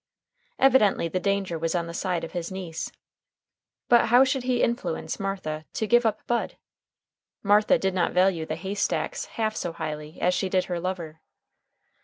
Evidently the danger was on the side of his niece. But how should he influence Martha to give up Bud? Martha did not value the hay stacks half so highly as she did her lover.